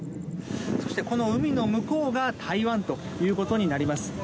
そしてこの海の向こうが台湾ということになります。